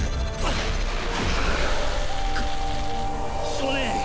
少年！